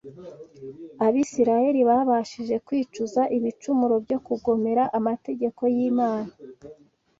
Abisirayeli babashije kwicuza ibicumuro byo kugomera amategeko y’Imana